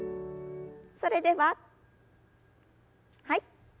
それでははい。